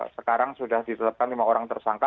sekarang sudah ditetapkan lima orang tersangka